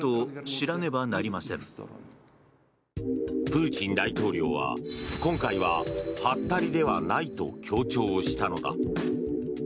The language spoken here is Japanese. プーチン大統領は今回は、はったりではないと強調したのだ。